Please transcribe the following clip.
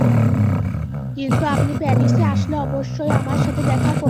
কিন্তু, আপনি প্যারিসে আসলে অবশ্যই আমার সাথে দেখা করবেন।